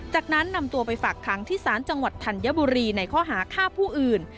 จากนั้นนำตัวไปฝากค้างที่ศาลจังหวัดธัญบุรีในข้อหาฆ่าผู้อื่น